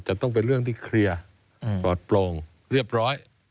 จะต้องเป็นเรื่องที่เคลียร์ปลอดโปร่งเรียบร้อย